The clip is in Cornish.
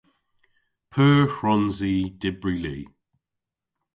P'eur hwrons i dybri li?